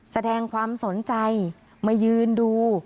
แสดงความสนใจมายืนดู